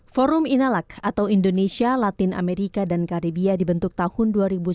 forum inalak atau indonesia latin amerika dan karibia dibentuk tahun dua ribu sembilan belas